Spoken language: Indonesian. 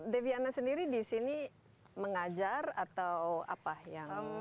deviana sendiri di sini mengajar atau apa yang